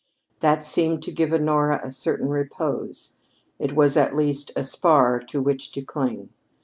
That seemed to give Honora a certain repose it was at least a spar to which to cling.